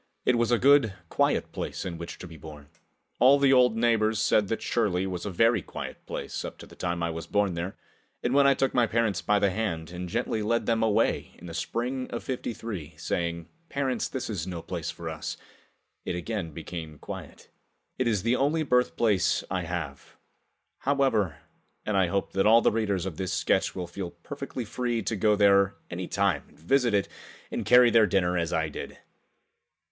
It was a good, quiet place in which to be born. All the old neighbors said that Shirley was a very quiet place up to the time I was born there, and when I took my parents by the hand and gently led them away in the spring of '53, saying, "Parents, this is no place for us," it again became quiet. It is the only birthplace I have, however, and I hope that all the readers of this sketch will feel perfectly free to go there any time and visit it and carry their dinner as I did.